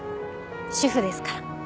主婦ですから。